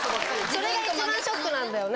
それが一番ショックなんだよね。